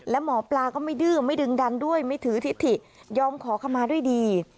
และหมอปลาก็ไม่ดื้อไม่ดึงดันด้วยไม่ถือทิศถิยอมขอขมาด้วยดี